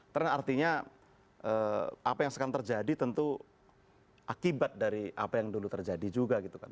karena artinya apa yang sekarang terjadi tentu akibat dari apa yang dulu terjadi juga gitu kan